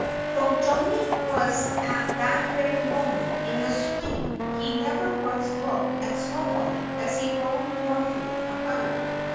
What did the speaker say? Though Johnnie was at that very moment in the swing he never once looked at Snowball as he roamed mournfully about.